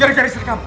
gara gara istri kamu